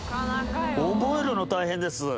覚えるの大変です。